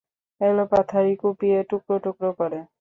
এলোপাথাড়ি কুপিয়ে টুকরো টুকরো করে।